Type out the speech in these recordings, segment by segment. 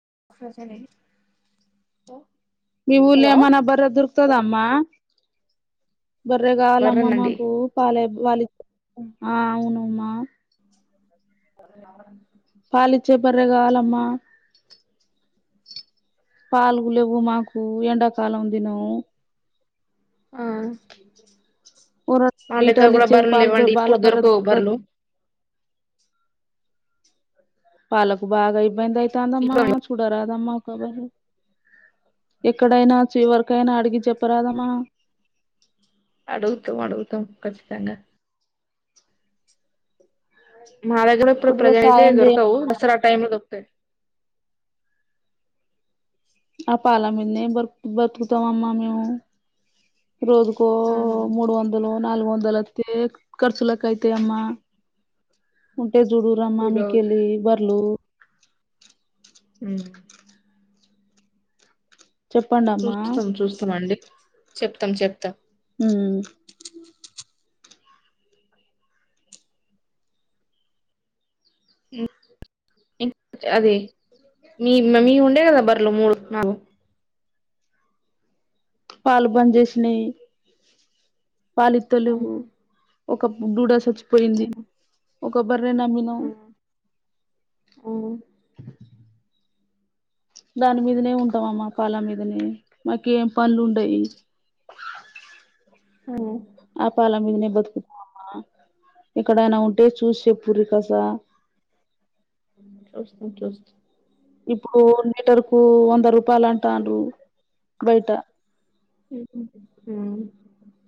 [inaudible] మీ ఊళ్లే హలో ఎమన్నా బర్రే దోర్ స్తదమ్మా బర్రేకావాలేమ్మ బర్రెనండి మాకు పాలెబ్ వాలి ఆ అవునమ్మా బర్రె కావాలంట చూపించు పాలిచే బర్రె కావాలమ్మా పాలుగు లేవు మాకు ఎండాకాలం దినము ఆ ఓ రెండు మా దగ్గర లీటర్లు కూడా ఇచ్చేది బర్రలు పాలు లేవండి బాల ఇప్పుడు బర్రె దొరకవు బర్ దొరుకుతది లు పాలకు బాగా ఇబ్బంది అయి అయితాందమ్మా చూడరాదమ్మా ఎక్కడైనా చివరకైనా అడిగి చెప్పరాదమ్మా అడుగుతం అడుగుతం ఖచ్చితాంగా మా దగ్గర ఇప్పుడు కొద్దిగా ప్రెసెంట్ అయితే సాయం చేయమ్మా దొరకవు దసరా టైమ్ లో దొరుకుతాయి ఆ పాల మీన్నే బర్ బతుకుతాం అమ్మా మేము రోజుకో మూడు వందలో నాలుగు వందలు ఒత్తే ఖర్చులకయితయమ్మ ఎజురానన్ మీకెళ్లి బర్ నో ఉ చెప్పండమ్మా చూస్తాం చూస్తాం అండి చెప్తాం చెప్తాం ఊమ్ ఇం అది మీ నీ ఉండే కదా బర్లు మూడు నాలుగు పాలు బంజేష్ణయ్ పాలిత్తలెవ్వు ఒక బుడసచ్ పయింది బరే నమ్మినవ్ దాని మీదనే ఉంటమమ్మా పాల మీదనే మాకు ఏం పనులు ఉండయి ఓ ఆ పాల మీదనే బతుకుతమ్మా ఎక్కడైనా ఉంటే చూసి చెప్పురి కాస ఊ చూస్తాం చూస్తాం ఇప్పుడు లీటర్ కు వంద రూపాయలు అంటడ్రు బయట [unintelligible] ఊ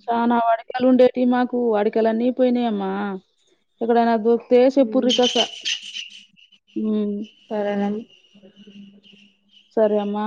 చనా వడకలు ఉండేటియి మాకు వడకలు అన్నీ పోయినయమ్మా ఇక్కడనా దుకుతే శపురి కస ఊ ఎవరు [unintelligible] సరే అమ్మా